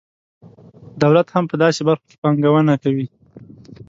دولت هم په داسې برخو کې پانګونه کوي.